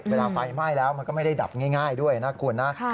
เวลาไฟไหม้แล้วมันก็ไม่ได้ดับง่ายด้วยนะคุณนะ